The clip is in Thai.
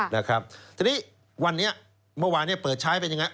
ทีนี้วันนี้เมื่อวานเปิดใช้เป็นอย่างไร